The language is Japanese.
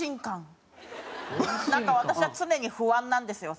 なんか私は常に不安なんですよ。